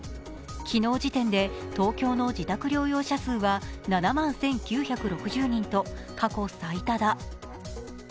昨日時点で東京の自宅療養者数は７万１９６０人と過去最多だ。